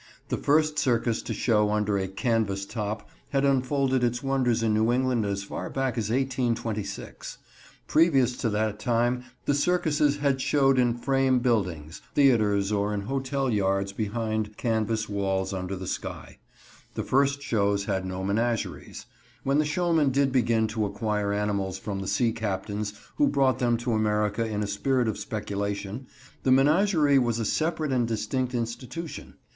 The first circus to show under a "canvas top" had unfolded its wonders in New England as far back as 1826. Previous to that time the circuses had showed in frame buildings, theaters, or in hotel yards behind canvas walls under the sky. The first shows had no menageries. When the showmen did begin to acquire animals from the sea captains who brought them to America in a spirit of speculation, the menagerie was a separate and distinct institution.